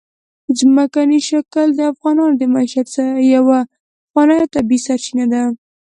ځمکنی شکل د افغانانو د معیشت یوه پخوانۍ او طبیعي سرچینه ده.